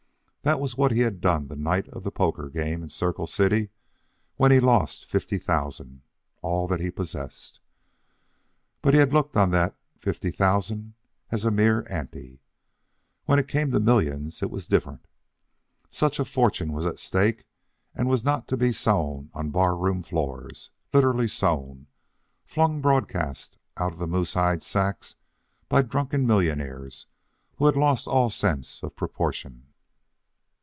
That was what he had done the night of the poker game in Circle City when he lost fifty thousand all that he possessed. But he had looked on that fifty thousand as a mere ante. When it came to millions, it was different. Such a fortune was a stake, and was not to be sown on bar room floors, literally sown, flung broadcast out of the moosehide sacks by drunken millionaires who had lost all sense of proportion.